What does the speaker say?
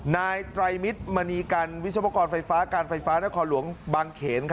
นายไตรมิตรมณีกันวิศวกรไฟฟ้าการไฟฟ้านครหลวงบางเขน